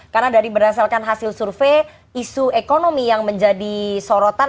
karena dari berdasarkan hasil survei isu ekonomi yang menjadi sorotan